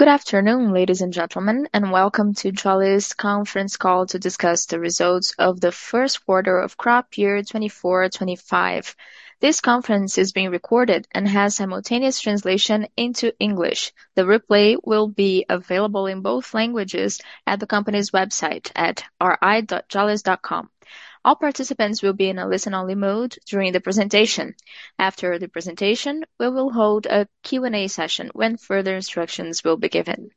Good afternoon, ladies and gentlemen, and welcome to Jalles conference call to discuss the results of the first quarter of crop year 2024/2025. This conference is being recorded and has simultaneous translation into English. The replay will be available in both languages at the company's website at ri.jalles.com. All participants will be in a listen-only mode during the presentation. After the presentation, we will hold a Q&A session when further instructions will be given.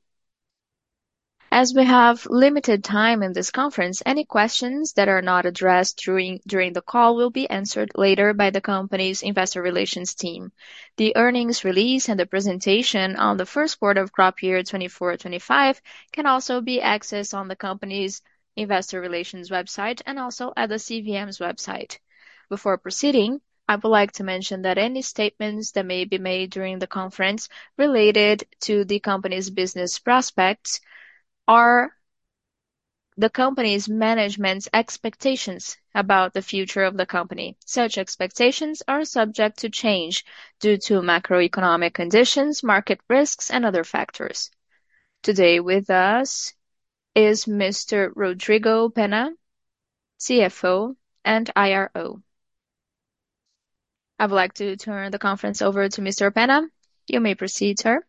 As we have limited time in this conference, any questions that are not addressed during the call will be answered later by the company's investor relations team. The earnings release and the presentation on the first quarter of crop year 2024/2025 can also be accessed on the company's investor relations website and also at the CVM's website. Before proceeding, I would like to mention that any statements that may be made during the conference related to the company's business prospects are the company's management's expectations about the future of the company. Such expectations are subject to change due to macroeconomic conditions, market risks and other factors. Today with us is Mr. Rodrigo Penna, CFO and IRO. I would like to turn the conference over to Mr. Penna. You may proceed, sir.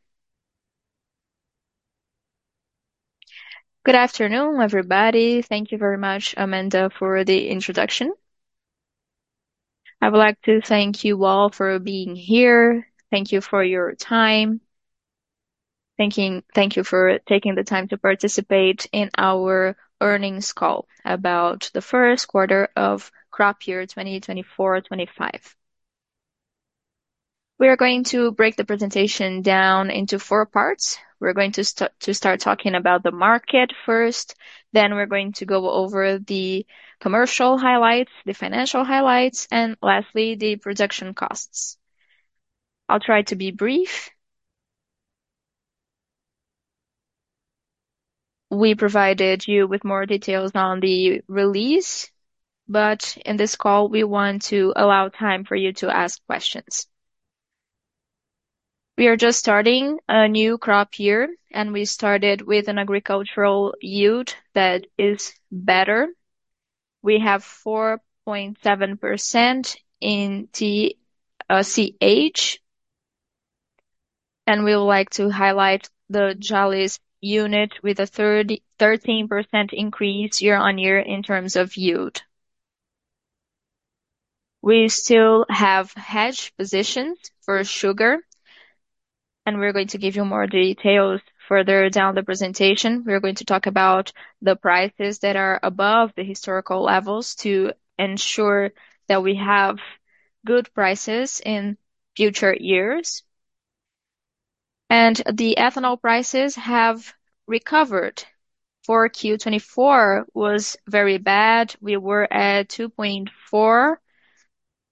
Good afternoon, everybody. Thank you very much, Amanda, for the introduction. I would like to thank you all for being here. Thank you for your time. Thank you for taking the time to participate in our earnings call about the first quarter of crop year 2024/2025. We are going to break the presentation down into four parts. We're going to to start talking about the market first, then we're going to go over the commercial highlights, the financial highlights, and lastly, the production costs. I'll try to be brief. We provided you with more details on the release, but in this call, we want to allow time for you to ask questions. We are just starting a new crop year, and we started with an agricultural yield that is better. We have 4.7% in TCH, and we would like to highlight the Jalles unit with a 13% increase year-on-year in terms of yield. We still have hedge positions for sugar, and we're going to give you more details further down the presentation. We are going to talk about the prices that are above the historical levels to ensure that we have good prices in future years. The ethanol prices have recovered. For Q4 2024 was very bad. We were at 2.4,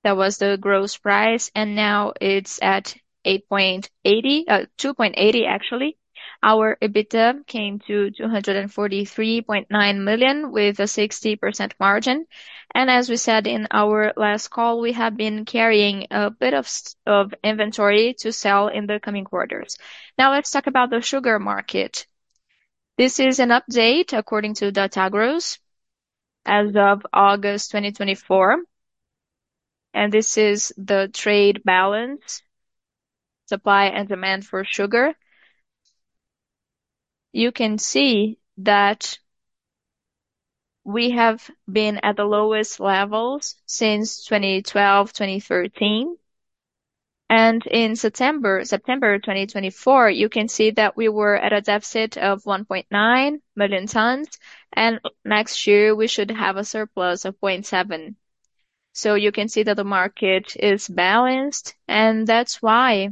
that was the gross price, and now it's at 8.80, 2.80, actually. Our EBITDA came to 243.9 million, with a 60% margin. And as we said in our last call, we have been carrying a bit of of inventory to sell in the coming quarters. Now, let's talk about the sugar market. This is an update according to Datagro as of August 2024, and this is the trade balance, supply and demand for sugar. You can see that we have been at the lowest levels since 2012, 2013, and in September 2024, you can see that we were at a deficit of 1.9 million tons, and next year we should have a surplus of 0.7. So you can see that the market is balanced, and that's why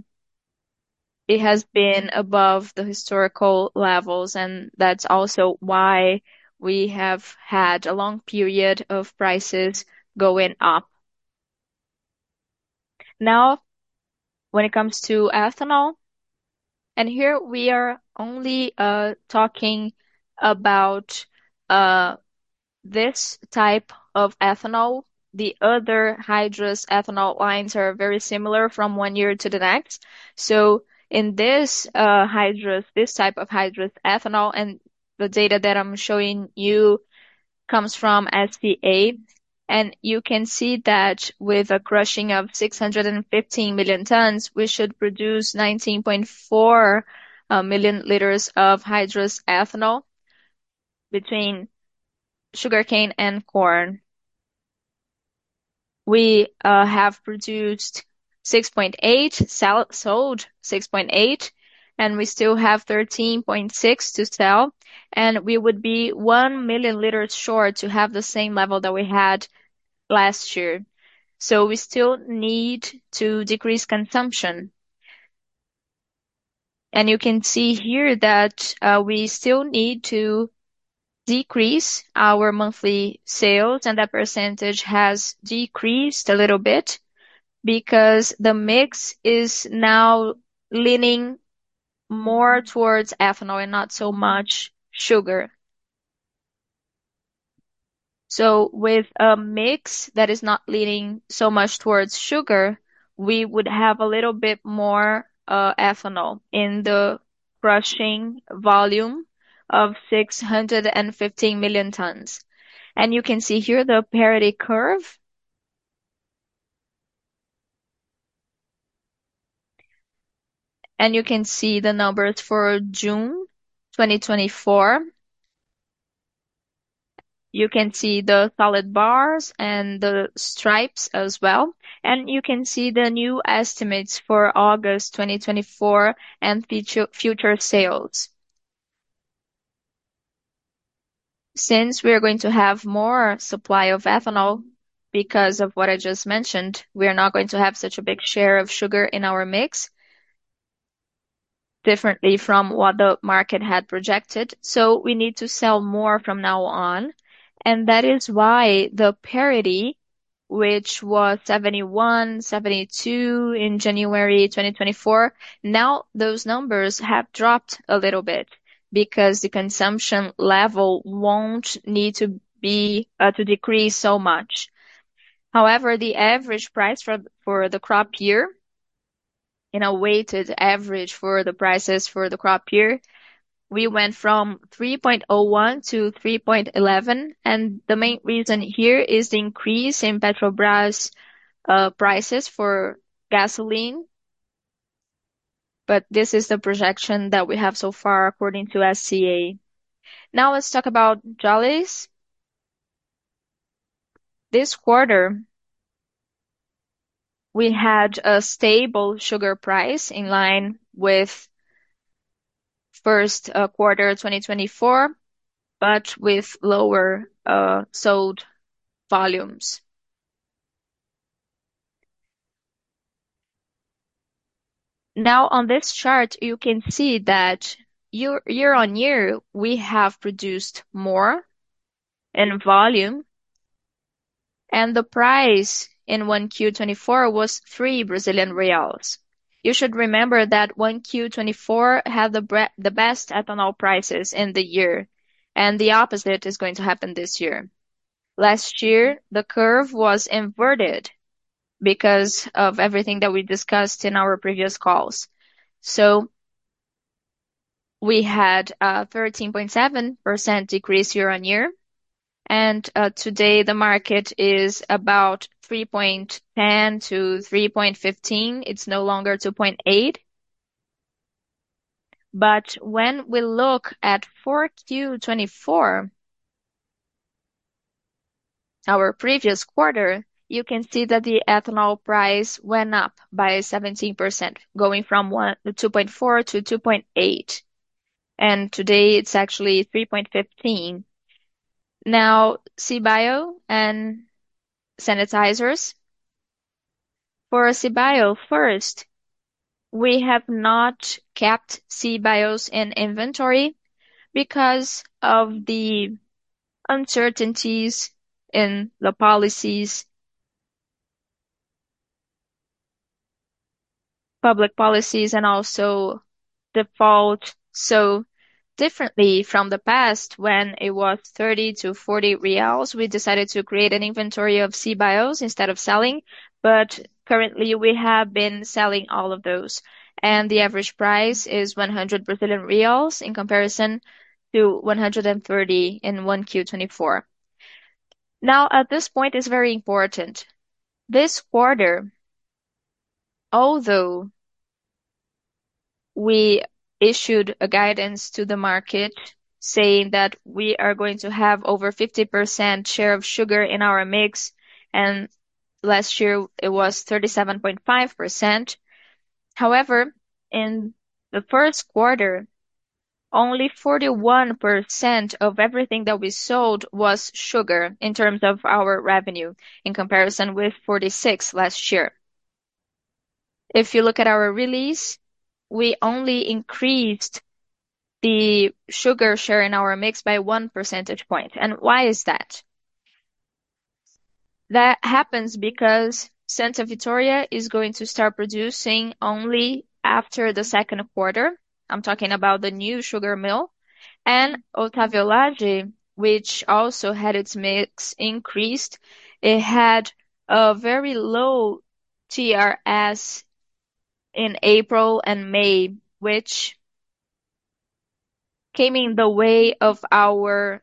it has been above the historical levels, and that's also why we have had a long period of prices going up. Now, when it comes to ethanol, and here we are only talking about this type of ethanol. The other hydrous ethanol lines are very similar from one year to the next. So in this hydrous, this type of hydrous ethanol and the data that I'm showing you comes from SCA. You can see that with a crushing of 615 million tons, we should produce 19.4 million L of hydrous ethanol between sugarcane and corn. We have produced 6.8, sold 6.8, and we still have 13.6 to sell, and we would be 1 million liters short to have the same level that we had last year. So we still need to decrease consumption. You can see here that we still need to decrease our monthly sales, and that percentage has decreased a little bit because the mix is now leaning more towards ethanol and not so much sugar. So with a mix that is not leaning so much towards sugar, we would have a little bit more ethanol in the crushing volume of 615 million tons. You can see here the parity curve. You can see the numbers for June 2024. You can see the solid bars and the stripes as well, and you can see the new estimates for August 2024 and future sales. Since we are going to have more supply of ethanol, because of what I just mentioned, we are not going to have such a big share of sugar in our mix, differently from what the market had projected. So we need to sell more from now on, and that is why the parity, which was 71, 72 in January 2024, now those numbers have dropped a little bit because the consumption level won't need to be to decrease so much. However, the average price for the crop year, in a weighted average for the prices for the crop year, we went from 3.01 to 3.11, and the main reason here is the increase in Petrobras prices for gasoline. But this is the projection that we have so far, according to SCA. Now, let's talk about Jalles. This quarter, we had a stable sugar price in line with first quarter 2024, but with lower sold volumes. Now, on this chart, you can see that year-on-year, we have produced more in volume, and the price in 1Q-2024 was 3 Brazilian reais. You should remember that 1Q-2024 had the best ethanol prices in the year, and the opposite is going to happen this year. Last year, the curve was inverted because of everything that we discussed in our previous calls. So we had a 13.7% decrease year-on-year, and today, the market is about 3.10 to 3.15. It's no longer 2.8. But when we look at 4Q-2024, our previous quarter, you can see that the ethanol price went up by 17%, going from 2.4 to 2.8, and today it's actually 3.15. Now, CBIO and sanitizers. For CBIO, first, we have not kept CBIOs in inventory because of the uncertainties in the policies, public policies and also default. So differently from the past, when it was 30-40 reais, we decided to create an inventory of CBIOs instead of selling. Currently, we have been selling all of those, and the average price is 100 Brazilian reais in comparison to 130 in 1Q 2024. Now, at this point, it's very important. This quarter, although we issued a guidance to the market, saying that we are going to have over 50% share of sugar in our mix, and last year it was 37.5%. However, in the first quarter, only 41% of everything that we sold was sugar in terms of our revenue, in comparison with 46% last year. If you look at our release, we only increased the sugar share in our mix by 1 percentage point. And why is that? That happens because Santa Vitória is going to start producing only after the second quarter. I'm talking about the new sugar mill and Otávio Lage, which also had its mix increased. It had a very low TRS in April and May, which came in the way of our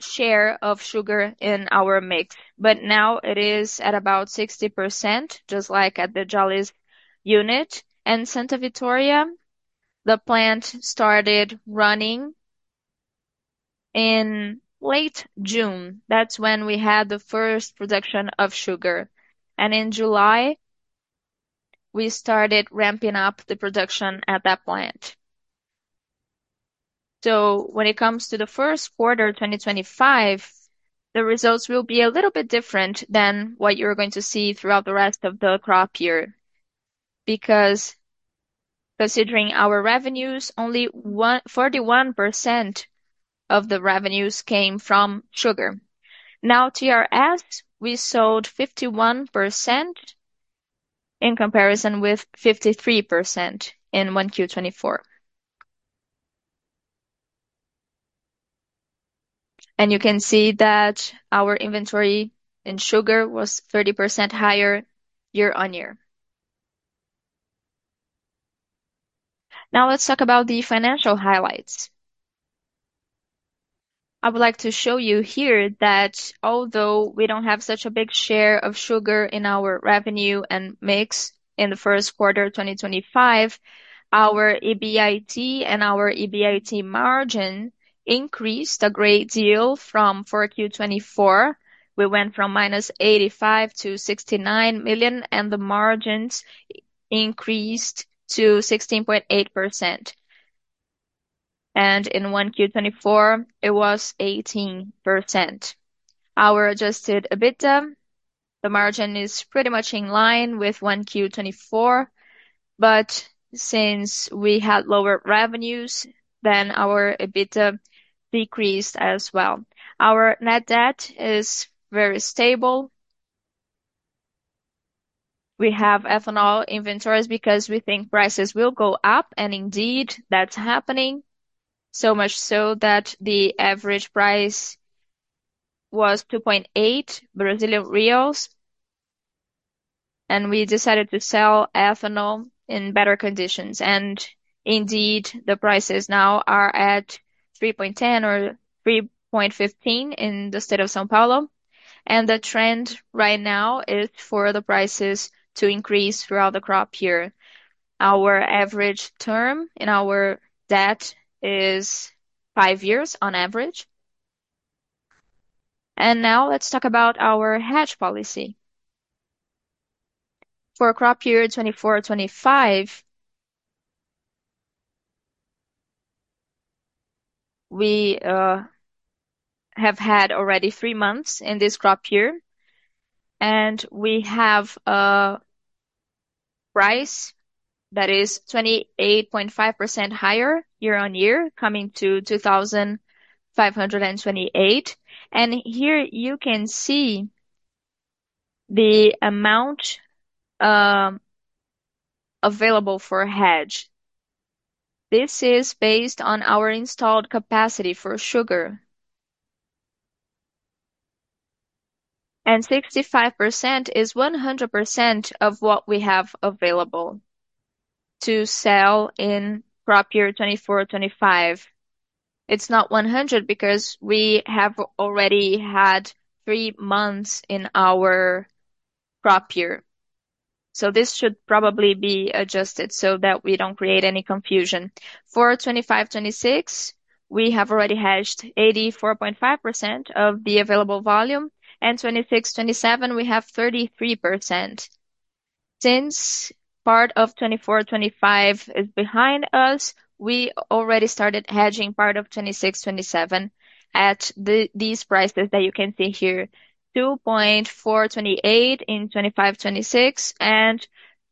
share of sugar in our mix, but now it is at about 60%, just like at the Jalles unit. Santa Vitória, the plant started running in late June. That's when we had the first production of sugar, and in July, we started ramping up the production at that plant. When it comes to the first quarter 2025, the results will be a little bit different than what you're going to see throughout the rest of the crop year. Because considering our revenues, only 41% of the revenues came from sugar. Now, TRS, we sold 51% in comparison with 53% in 1Q 2024. You can see that our inventory in sugar was 30% higher year-on-year. Now, let's talk about the financial highlights. I would like to show you here that although we don't have such a big share of sugar in our revenue and mix in the first quarter of 2025, our EBIT and our EBIT margin increased a great deal from 4Q 2024. We went from -85 million to 69 million, and the margins increased to 16.8%, and in 1Q 2024, it was 18%. Our adjusted EBITDA, the margin is pretty much in line with 1Q 2024, but since we had lower revenues, then our EBITDA decreased as well. Our net debt is very stable. We have ethanol inventories because we think prices will go up, and indeed, that's happening. So much so that the average price was 2.8 Brazilian reais, and we decided to sell ethanol in better conditions. Indeed, the prices now are at 3.10 or 3.15 in the state of São Paulo, and the trend right now is for the prices to increase throughout the crop year. Our average term in our debt is five years on average. Now let's talk about our hedge policy. For crop year 2024/2025, we have had already three months in this crop year, and we have a price that is 28.5% higher year-on-year, coming to 2,528. Here you can see the amount available for hedge. This is based on our installed capacity for sugar. 65% is 100% of what we have available to sell in crop year 2024/2025. It's not 100 because we have already had three months in our crop year, so this should probably be adjusted so that we don't create any confusion. For 2025/2026, we have already hedged 84.5% of the available volume, and 2026/2027, we have 33%. Since part of 2024/2025 is behind us, we already started hedging part of 2026/2027 at these prices that you can see here, 2,428 in 2025/2026, and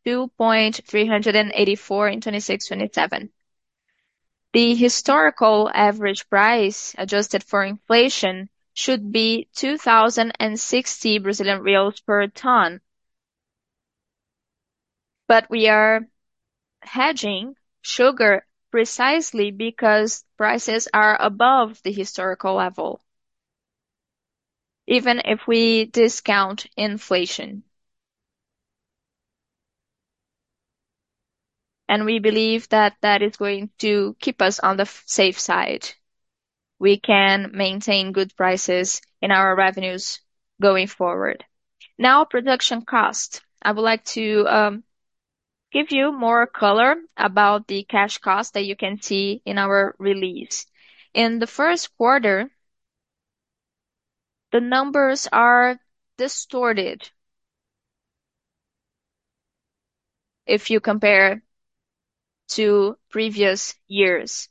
2,384 in 2026/2027. The historical average price, adjusted for inflation, should be 2,060 Brazilian reais per ton. But we are hedging sugar precisely because prices are above the historical level, even if we discount inflation. We believe that that is going to keep us on the safe side. We can maintain good prices in our revenues going forward. Now, production cost. I would like to give you more color about the Cash Cost that you can see in our release. In the first quarter, the numbers are distorted if you compare to previous years.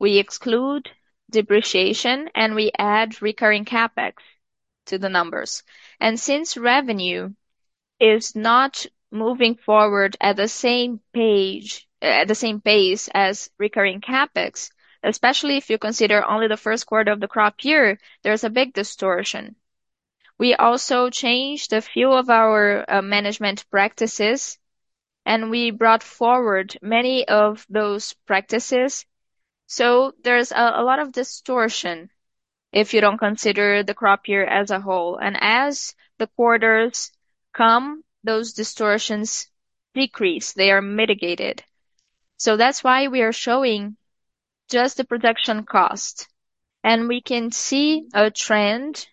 We exclude depreciation, and we add Recurring CapEx to the numbers, and since revenue is not moving forward at the same page, at the same pace as Recurring CapEx, especially if you consider only the first quarter of the Crop Year, there's a big distortion. We also changed a few of our management practices, and we brought forward many of those practices, so there's a lot of distortion if you don't consider the Crop Year as a whole, and as the quarters come, those distortions decrease, they are mitigated. That's why we are showing just the production cost, and we can see a trend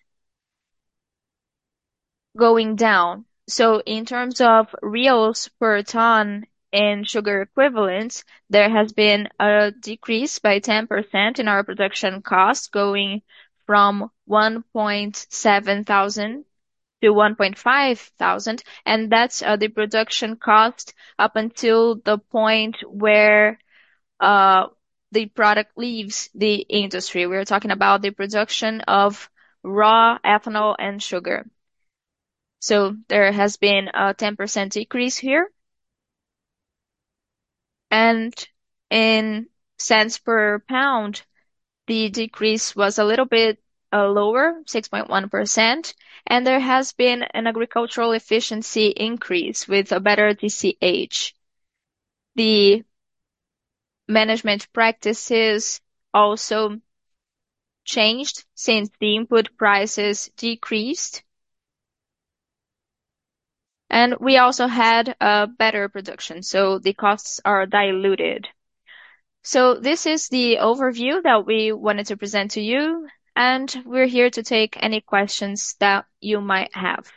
going down. In terms of BRL per ton and sugar equivalents, there has been a decrease by 10% in our production cost, going from 1,700 to 1,500, and that's the production cost up until the point where the product leaves the industry. We're talking about the production of raw ethanol and sugar. There has been a 10% decrease here. In cents per pound, the decrease was a little bit lower, 6.1%, and there has been an agricultural efficiency increase with a better TCH. The management practices also changed since the input prices decreased. We also had a better production, so the costs are diluted. This is the overview that we wanted to present to you, and we're here to take any questions that you might have.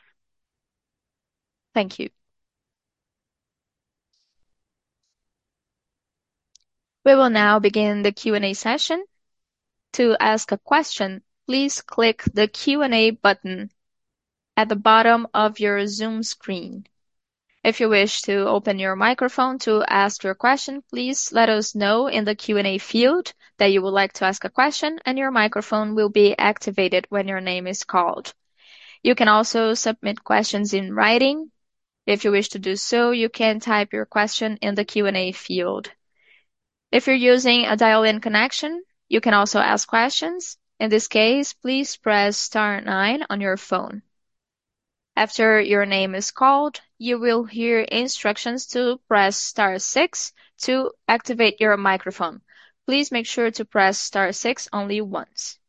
Thank you. We will now begin the Q&A session. To ask a question, please click the Q&A button at the bottom of your Zoom screen. If you wish to open your microphone to ask your question, please let us know in the Q&A field that you would like to ask a question, and your microphone will be activated when your name is called. You can also submit questions in writing. If you wish to do so, you can type your question in the Q&A field. If you're using a dial-in connection, you can also ask questions. In this case, please press star nine on your phone. After your name is called, you will hear instructions to press star six to activate your microphone. Please make sure to press star six only once.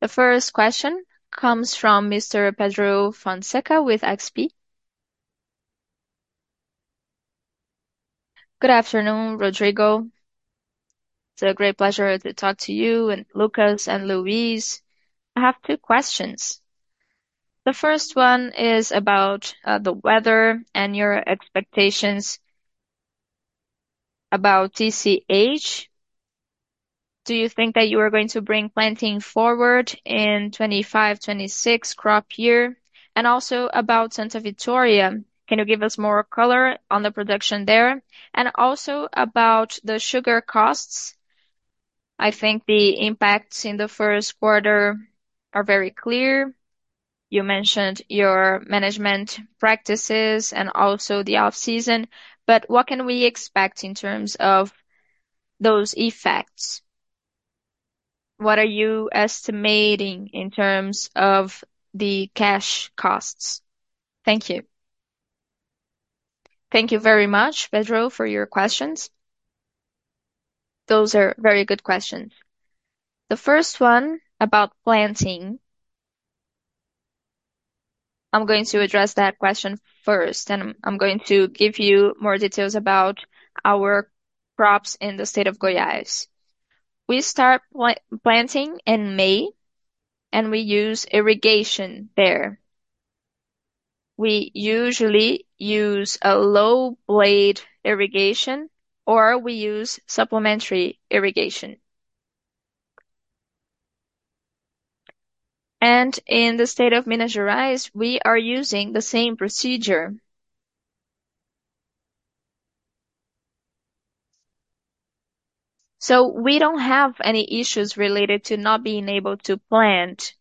The first question comes from Mr. Pedro Fonseca with XP. Good afternoon, Rodrigo. It's a great pleasure to talk to you and Lucas and Luís. I have two questions. The first one is about the weather and your expectations about TCH. Do you think that you are going to bring planting forward in 2025, 2026 crop year? And also about Santa Vitória, can you give us more color on the production there? And also about the sugar costs, I think the impacts in the first quarter are very clear. You mentioned your management practices and also the off-season, but what can we expect in terms of those effects? What are you estimating in terms of the cash costs? Thank you. Thank you very much, Pedro, for your questions. Those are very good questions. The first one about planting, I'm going to address that question first, and I'm going to give you more details about our crops in the state of Goiás. We start planting in May, and we use irrigation there. We usually use a low blade irrigation, or we use supplementary irrigation. And in the state of Minas Gerais, we are using the same procedure. So we don't have any issues related to not being able to plant,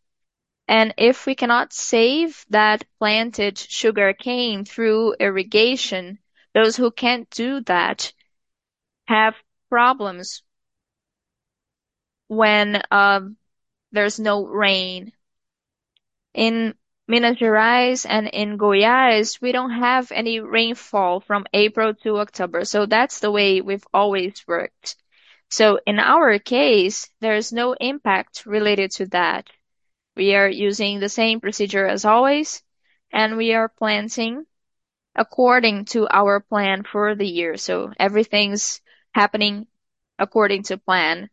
and if we cannot save that planted sugarcane through irrigation, those who can't do that have problems when there's no rain. In Minas Gerais and in Goiás, we don't have any rainfall from April to October, so that's the way we've always worked. So in our case, there is no impact related to that. We are using the same procedure as always, and we are planting according to our plan for the year, so everything's happening according to plan.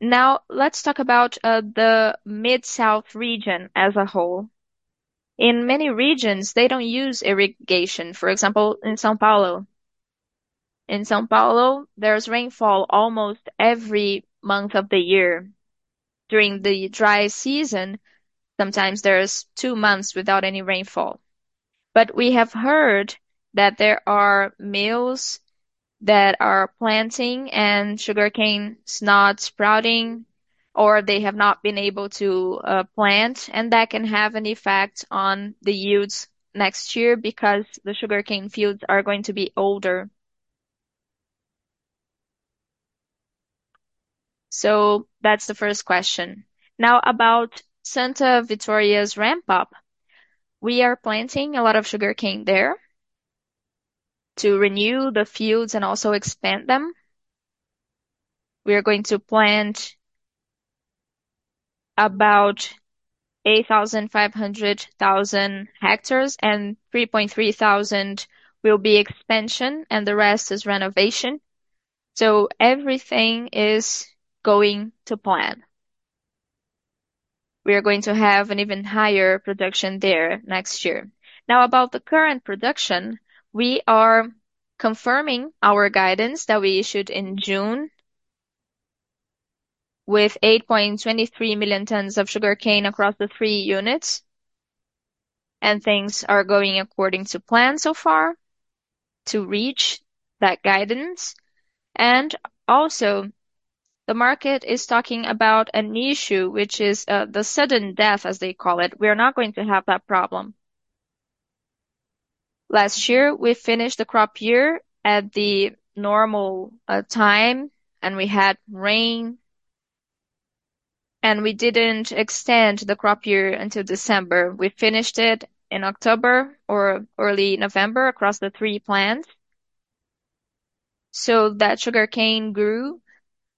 Now, let's talk about the Mid-South region as a whole. In many regions, they don't use irrigation, for example, in São Paulo. In São Paulo, there's rainfall almost every month of the year. During the dry season, sometimes there's two months without any rainfall. But we have heard that there are mills that are planting and sugarcane is not sprouting, or they have not been able to plant, and that can have an effect on the yields next year because the sugarcane fields are going to be older. So that's the first question. Now, about Santa Vitória's ramp up, we are planting a lot of sugarcane there to renew the fields and also expand them. We are going to plant about 8,500,000 hectares, and 3.3 thousand will be expansion, and the rest is renovation. So everything is going to plan. We are going to have an even higher production there next year. Now, about the current production, we are confirming our guidance that we issued in June with 8.23 million tons of sugarcane across the three units, and things are going according to plan so far to reach that guidance. And also, the market is talking about a new issue, which is, the sudden death, as they call it. We are not going to have that problem. Last year, we finished the crop year at the normal time, and we had rain, and we didn't extend the crop year until December. We finished it in October or early November across the three plants. So that sugarcane grew,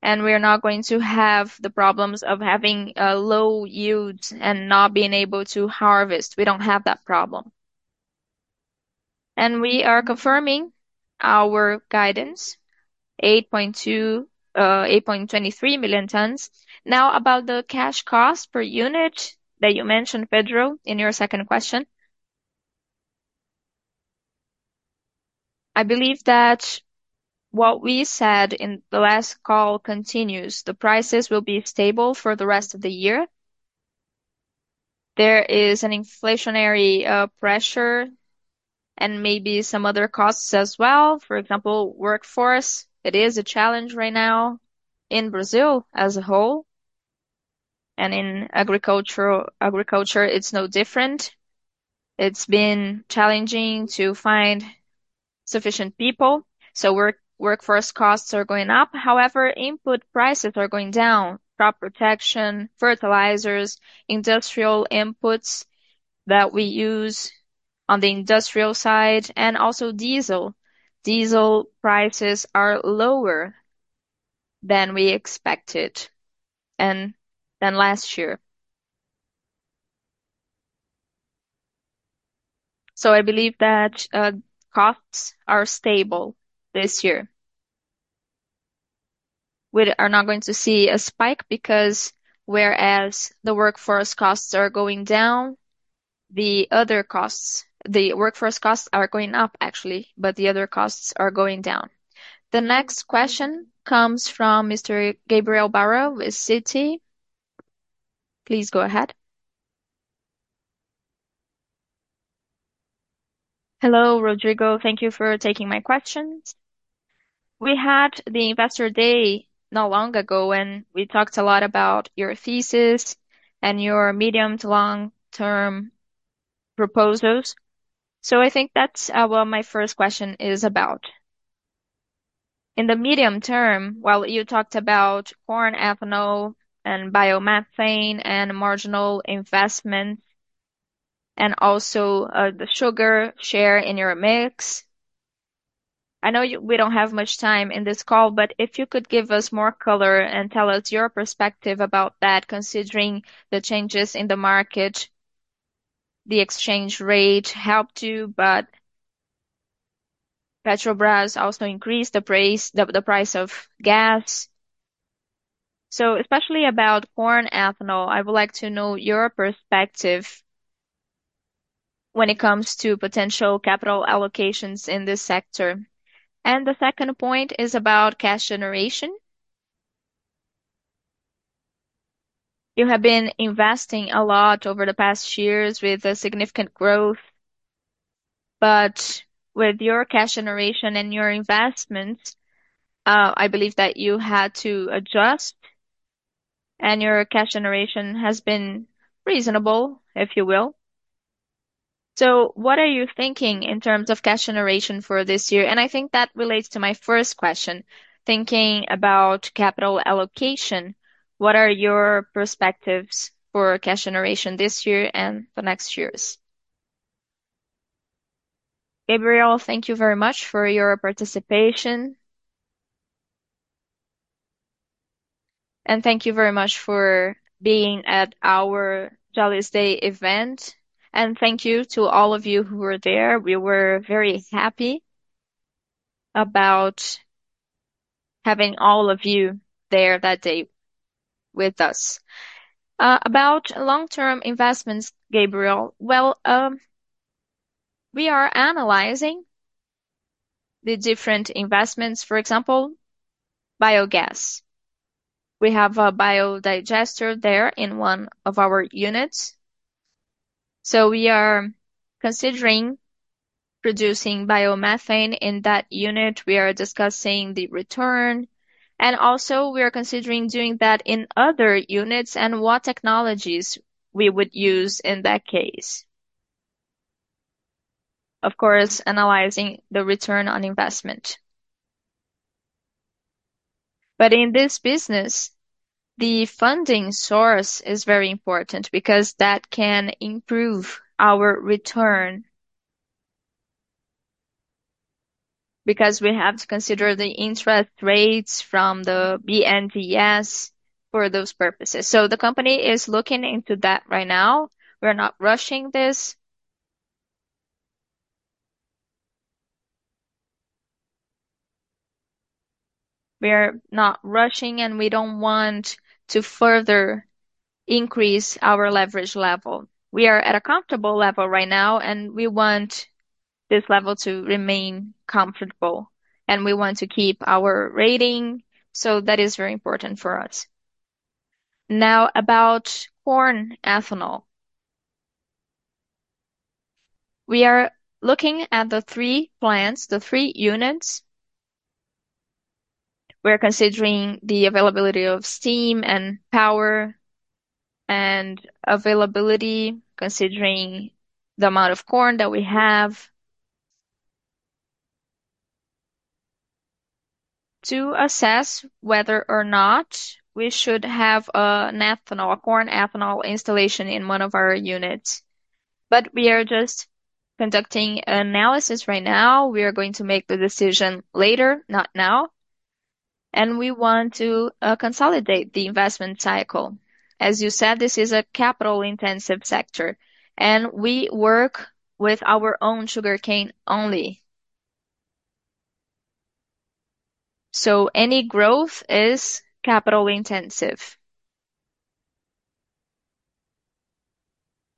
and we are not going to have the problems of having low yields and not being able to harvest. We don't have that problem. And we are confirming our guidance, 8.2, 8.23 million tons. Now, about the cash cost per unit that you mentioned, Pedro, in your second question. I believe that what we said in the last call continues. The prices will be stable for the rest of the year. There is an inflationary pressure and maybe some other costs as well. For example, workforce. It is a challenge right now in Brazil as a whole, and in agriculture, it's no different. It's been challenging to find sufficient people, so workforce costs are going up. However, input prices are going down. Crop protection, fertilizers, industrial inputs that we use on the industrial side, and also diesel. Diesel prices are lower than we expected and than last year. So I believe that, costs are stable this year. We are not going to see a spike because whereas the workforce costs are going down, the other costs, the workforce costs are going up, actually, but the other costs are going down. The next question comes from Mr. Gabriel Barra with Citi. Please go ahead. Hello, Rodrigo. Thank you for taking my questions. We had the Investor Day not long ago, and we talked a lot about your thesis and your medium to long-term proposals. So I think that's, what my first question is about. In the medium term, while you talked about corn ethanol, and biomethane, and marginal investment, and also, the sugar share in your mix, I know you- we don't have much time in this call, but if you could give us more color and tell us your perspective about that, considering the changes in the market, the exchange rate helped you, but Petrobras also increased the price, the, the price of gas. So especially about corn ethanol, I would like to know your perspective when it comes to potential capital allocations in this sector. And the second point is about cash generation. You have been investing a lot over the past years with a significant growth, but with your cash generation and your investments, I believe that you had to adjust, and your cash generation has been reasonable, if you will. So what are you thinking in terms of cash generation for this year? And I think that relates to my first question, thinking about capital allocation, what are your perspectives for cash generation this year and the next years? Gabriel, thank you very much for your participation. And thank you very much for being at our Analyst Day event. And thank you to all of you who were there. We were very happy about having all of you there that day with us. About long-term investments, Gabriel, well, we are analyzing the different investments for example, biogas. We have a biodigester there in one of our units, so we are considering producing biomethane in that unit. We are discussing the return, and also we are considering doing that in other units and what technologies we would use in that case. Of course, analyzing the return on investment. But in this business, the funding source is very important because that can improve our return, because we have to consider the interest rates from the BNDES for those purposes. So the company is looking into that right now. We're not rushing this. We are not rushing, and we don't want to further increase our leverage level. We are at a comfortable level right now, and we want this level to remain comfortable, and we want to keep our rating, so that is very important for us... Now, about corn ethanol. We are looking at the three plants, the three units. We're considering the availability of steam and power and availability, considering the amount of corn that we have, to assess whether or not we should have, an ethanol, corn ethanol installation in one of our units. But we are just conducting analysis right now. We are going to make the decision later, not now, and we want to consolidate the investment cycle. As you said, this is a capital-intensive sector, and we work with our own sugarcane only. So any growth is capital-intensive.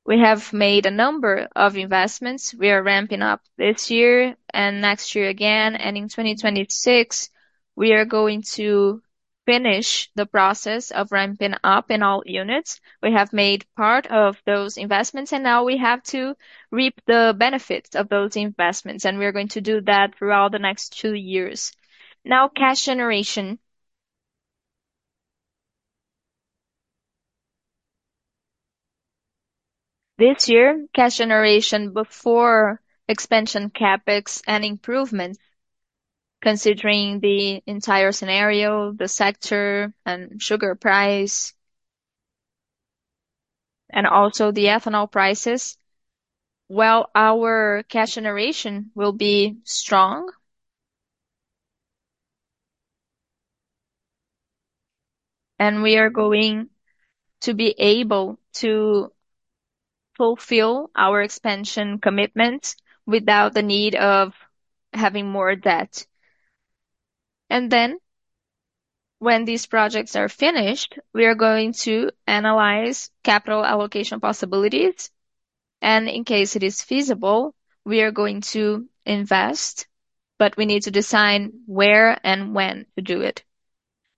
We have made a number of investments. We are ramping up this year and next year again, and in 2026, we are going to finish the process of ramping up in all units. We have made part of those investments, and now we have to reap the benefits of those investments, and we are going to do that throughout the next two years. Now, cash generation. This year, cash generation before expansion, CapEx and improvement, considering the entire scenario, the sector and sugar price, and also the ethanol prices, well, our cash generation will be strong. We are going to be able to fulfill our expansion commitment without the need of having more debt. Then, when these projects are finished, we are going to analyze capital allocation possibilities, and in case it is feasible, we are going to invest, but we need to decide where and when to do it.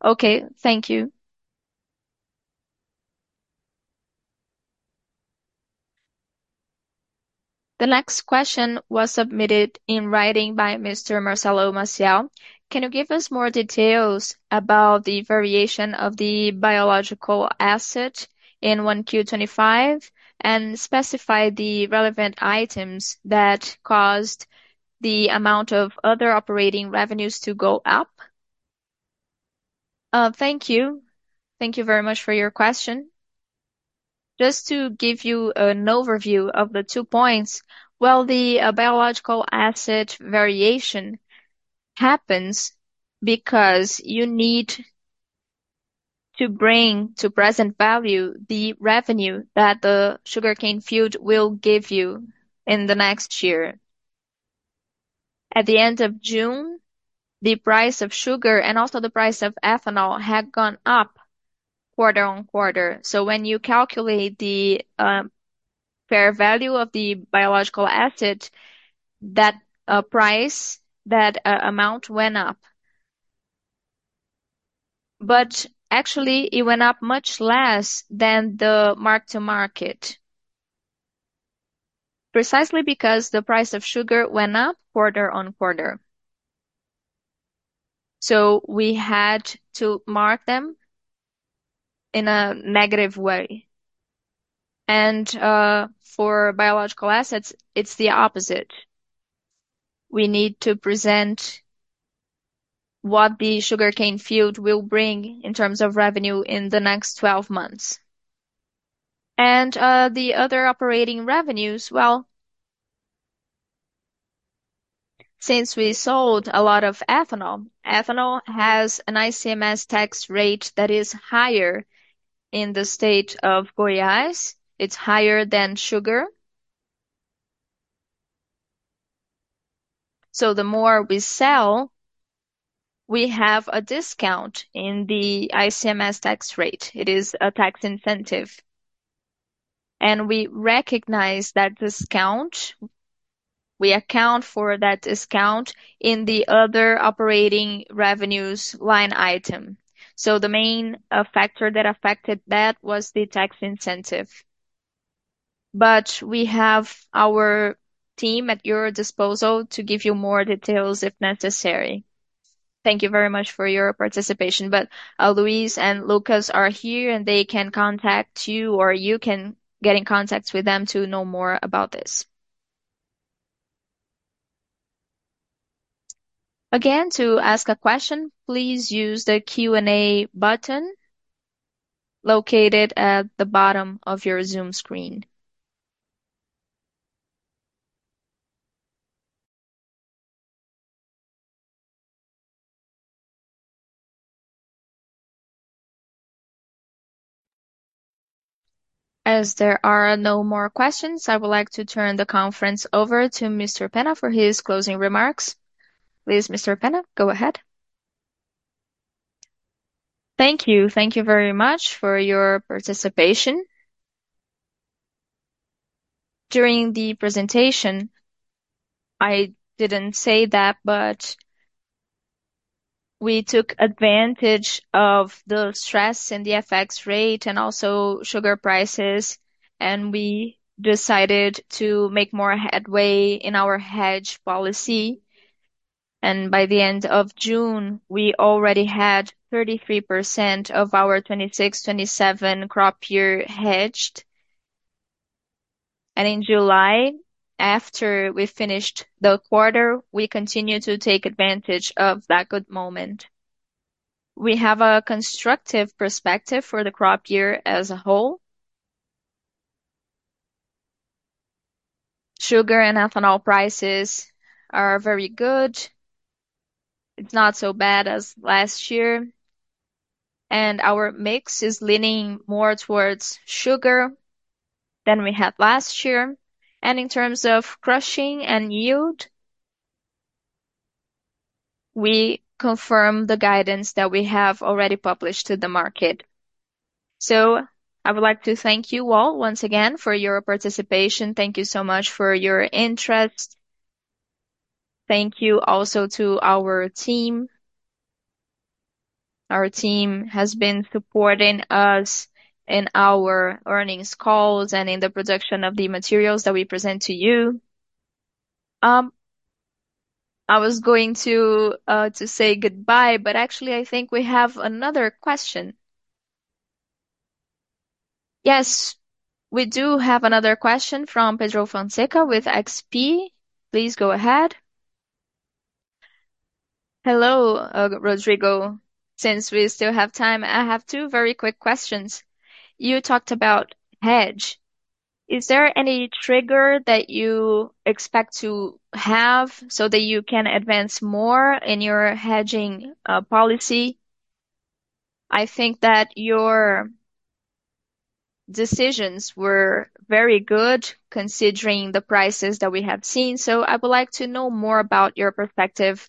Okay, thank you. The next question was submitted in writing by Mr. Marcelo Maciel: Can you give us more details about the variation of the Biological Asset in 1Q 2025 and specify the relevant items that caused the amount of other operating revenues to go up? Thank you very much for your question. Just to give you an overview of the two points, well, the biological asset variation happens because you need to bring to present value the revenue that the sugarcane field will give you in the next year. At the end of June, the price of sugar and also the price of ethanol had gone up quarter-on-quarter. So when you calculate the fair value of the biological asset, that price, that amount went up. But actually, it went up much less than the mark-to-market, precisely because the price of sugar went up quarter-on-quarter. So we had to mark them in a negative way. And for biological assets, it's the opposite. We need to present what the sugarcane field will bring in terms of revenue in the next 12 months. The other operating revenues, well, since we sold a lot of ethanol, ethanol has an ICMS tax rate that is higher in the state of Goiás. It's higher than sugar. So the more we sell, we have a discount in the ICMS tax rate. It is a tax incentive, and we recognize that discount. We account for that discount in the other operating revenues line item. So the main factor that affected that was the tax incentive. But we have our team at your disposal to give you more details, if necessary. Thank you very much for your participation, but Luís and Lucas are here, and they can contact you, or you can get in contact with them to know more about this. Again, to ask a question, please use the Q&A button located at the bottom of your Zoom screen. As there are no more questions, I would like to turn the conference over to Mr. Penna for his closing remarks. Please, Mr. Penna, go ahead. Thank you. Thank you very much for your participation.... During the presentation, I didn't say that, but we took advantage of the stress and the FX rate and also sugar prices, and we decided to make more headway in our hedge policy. By the end of June, we already had 33% of our 2026/2027 crop year hedged. And in July, after we finished the quarter, we continued to take advantage of that good moment. We have a constructive perspective for the crop year as a whole. Sugar and ethanol prices are very good. It's not so bad as last year, and our mix is leaning more towards sugar than we had last year. In terms of crushing and yield, we confirm the guidance that we have already published to the market. So I would like to thank you all once again for your participation. Thank you so much for your interest. Thank you also to our team. Our team has been supporting us in our earnings calls and in the production of the materials that we present to you. I was going to say goodbye, but actually, I think we have another question. Yes, we do have another question from Pedro Fonseca with XP. Please go ahead. Hello, Rodrigo. Since we still have time, I have two very quick questions. You talked about hedge. Is there any trigger that you expect to have so that you can advance more in your hedging policy? I think that your decisions were very good, considering the prices that we have seen, so I would like to know more about your perspective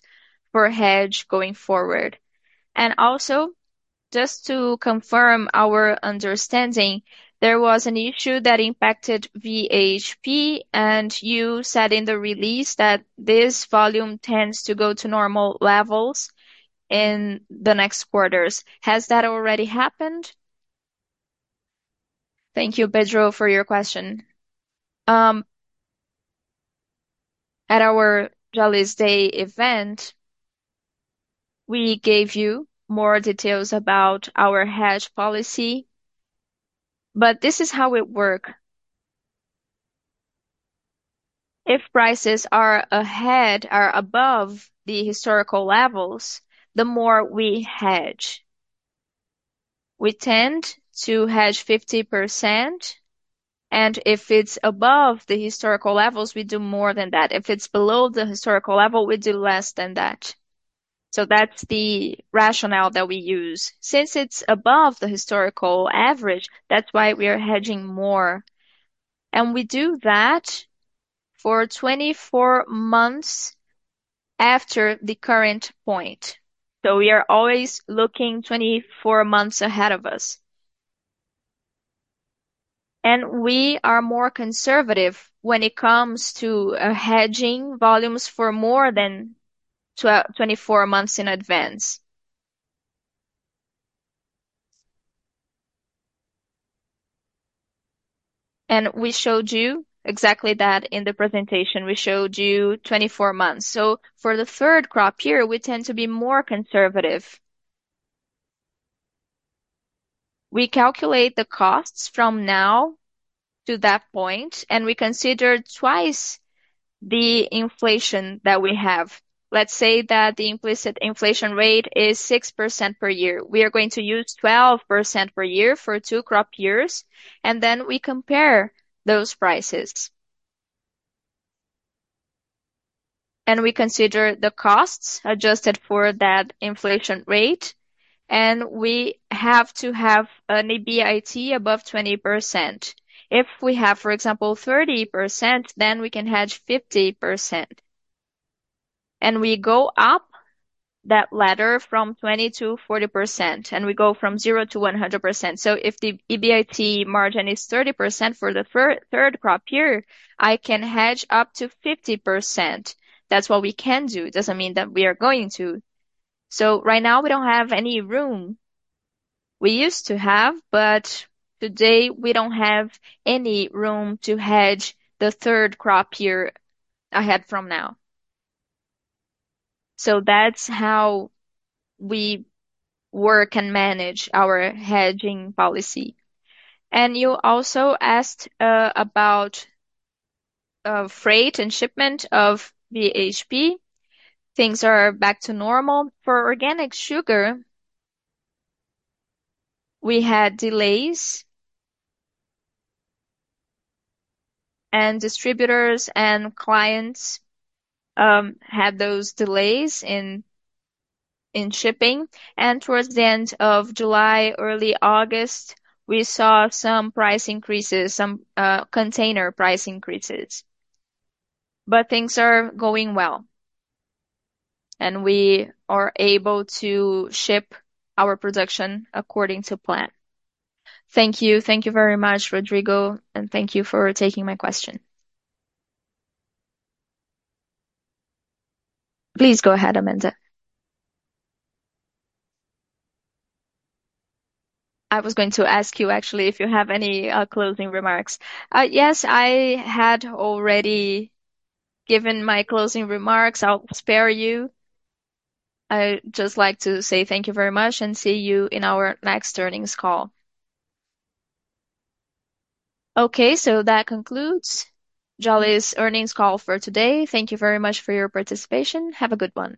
for hedge going forward. And also, just to confirm our understanding, there was an issue that impacted VHP, and you said in the release that this volume tends to go to normal levels in the next quarters. Has that already happened? Thank you, Pedro, for your question. At our Jalles Day event, we gave you more details about our hedge policy, but this is how it work. If prices are ahead or above the historical levels, the more we hedge. We tend to hedge 50%, and if it's above the historical levels, we do more than that. If it's below the historical level, we do less than that. So that's the rationale that we use. Since it's above the historical average, that's why we are hedging more, and we do that for 24 months after the current point. So we are always looking 24 months ahead of us. And we are more conservative when it comes to hedging volumes for more than 24 months in advance. And we showed you exactly that in the presentation. We showed you 24 months. So for the third crop year, we tend to be more conservative. We calculate the costs from now to that point, and we consider twice the inflation that we have. Let's say that the implicit inflation rate is 6% per year. We are going to use 12% per year for two crop years, and then we compare those prices. And we consider the costs adjusted for that inflation rate, and we have to have an EBIT above 20%. If we have, for example, 30%, then we can hedge 50%, and we go up that ladder from 20%-40%, and we go from 0%-100%. So if the EBIT margin is 30% for the third crop year, I can hedge up to 50%. That's what we can do. It doesn't mean that we are going to. So right now, we don't have any room. We used to have, but today, we don't have any room to hedge the third crop year ahead from now. So that's how we work and manage our hedging policy. And you also asked about freight and shipment of VHP. Things are back to normal. For organic sugar, we had delays, and distributors and clients had those delays in shipping, and towards the end of July, early August, we saw some price increases, some container price increases. But things are going well, and we are able to ship our production according to plan. Thank you. Thank you very much, Rodrigo, and thank you for taking my question. Please go ahead, Amanda. I was going to ask you, actually, if you have any closing remarks. Yes, I had already given my closing remarks. I'll spare you. I'd just like to say thank you very much, and see you in our next earnings call. Okay, so that concludes Jalles' earnings call for today. Thank you very much for your participation. Have a good one.